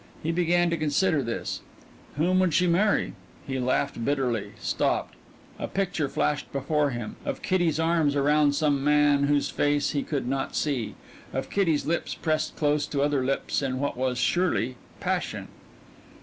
He began to consider this. Whom would she marry? He laughed bitterly, stopped; a picture flashed before him of Kitty's arms around some man whose face he could not see, of Kitty's lips pressed close to other lips in what was surely passion.